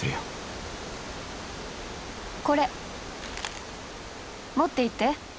これ持っていって。